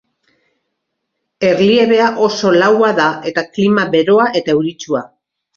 Erliebea oso laua da eta klima beroa eta euritsua.